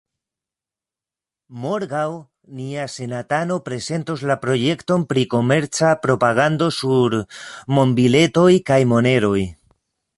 Morgaŭ nia senatano prezentos la projekton pri komerca propagando sur monbiletoj kaj moneroj.